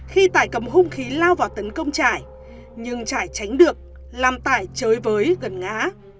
khi tải cầm hung khí lao vào tấn công trải nhưng trải tránh được làm tải chơi với gần ngã